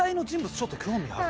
ちょっと興味がある。